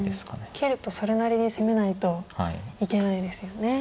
切るとそれなりに攻めないといけないですよね。